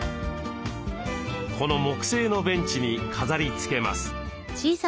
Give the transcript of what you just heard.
この木製のベンチに飾りつけます。